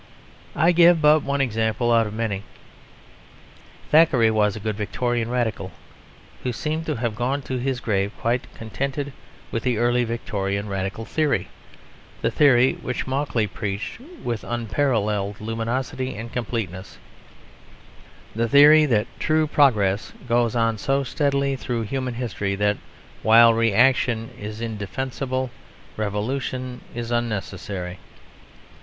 I give but one example out of many. Thackeray was a good Victorian radical, who seems to have gone to his grave quite contented with the early Victorian radical theory the theory which Macaulay preached with unparalleled luminosity and completeness; the theory that true progress goes on so steadily through human history, that while reaction is indefensible, revolution is unnecessary.